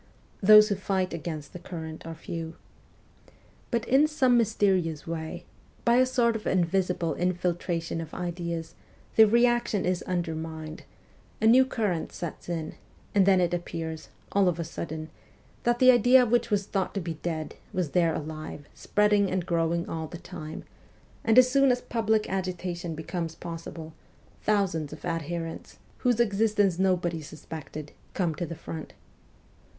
Those who fight against the current are few. But in some mysterious way, by a WESTERN EUROPE 215 sort of invisible infiltration of ideas, the reaction is undermined ; a new current sets in, and then it appears, all of a sudden, that the idea which, was thought to be dead was there alive, spreading and growing all the time ; and as soon as public agitation becomes possible, thousands of adherents, whose exist ence nobody suspected, come to the front.